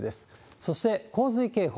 そして洪水警報。